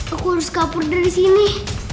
aku harus kapur dari sini